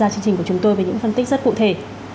chương trình của chúng tôi với những phân tích rất cụ thể